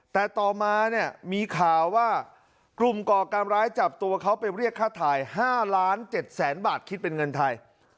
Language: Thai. แต่ต่อมาเนี่ยมีข่าวว่ากลุ่มก่อการร้ายจับตัวเขาไปเรียกค่าถ่าย๕ล้าน๗แสนบาทคิดเป็นเงินไทย